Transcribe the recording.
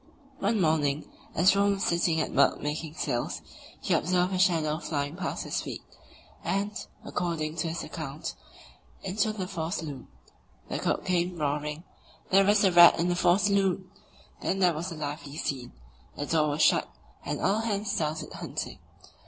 One morning, as Rönne was sitting at work making sails, he observed a "shadow" flying past his feet, and, according to his account, into the fore saloon. The cook came roaring: "There's a rat in the fore saloon!" Then there was a lively scene; the door was shut, and all hands started hunting.